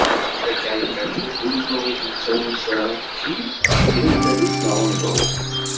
Takarikaturt d unuɣ i d-yettawin s uɛekki ɣef kra n taluft neɣ uneḍru.